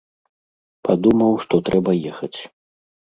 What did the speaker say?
Падумаў, што трэба ехаць.